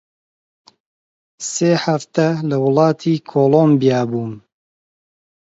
سێ حەفتە لە وڵاتی کۆڵۆمبیا بووم